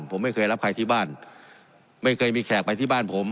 ผมไม่เคยรับใครที่บ้านไม่เคยมีแขกไปที่บ้านผม